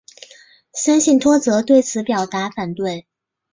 森信托则对此表达反对。